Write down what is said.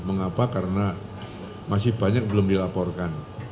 mengapa karena masih banyak belum dilaporkan